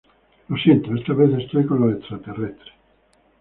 Lo siento, esta vez estoy con los extraterrestres".